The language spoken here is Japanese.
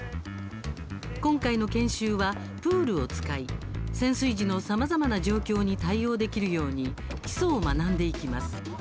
今回の研修は、プールを使い潜水時のさまざまな状況に対応できるように基礎を学んでいきます。